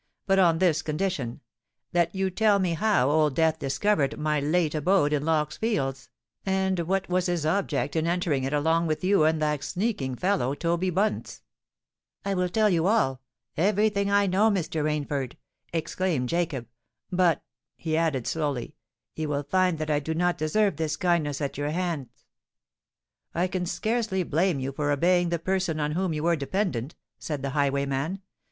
"But on this condition—that you tell me how Old Death discovered my late abode in Lock's Fields, and what was his object in entering it along with you and that sneaking fellow, Toby Bunce." "I will tell you all—everything I know, Mr. Rainford," exclaimed Jacob. "But," he added slowly, "you will find that I do not deserve this kindness at your hands." "I can scarcely blame you for obeying the person on whom you were dependant," said the highwayman.